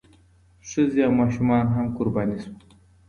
ښځې او ماشومان هم قرباني شول.